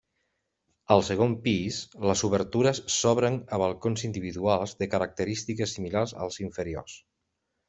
Al segon pis les obertures s'obren a balcons individuals de característiques similars als inferiors.